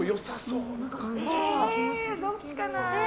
どっちかな。